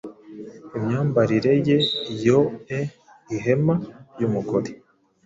Imyambarire ye yoe ihema ryumugore,